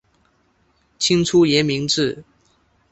清初沿明制。